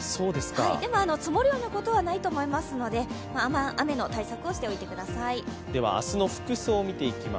でも、積もるようなことはないと思いますので、雨の対策をしておいてください。